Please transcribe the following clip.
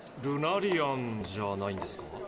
ルナリアンじゃないんですか？